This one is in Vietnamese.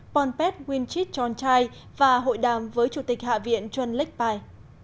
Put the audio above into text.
ponpet winchit chonchai và hội đàm với chủ tịch hạ viện trần lêch pai